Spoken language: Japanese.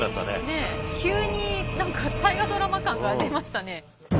ねっ急に何か「大河ドラマ」感が出ましたね。